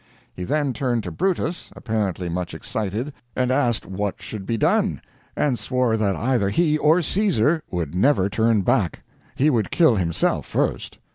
He then turned to Brutus, apparently much excited, and asked what should be done, and swore that either he or Caesar would never turn back he would kill himself first.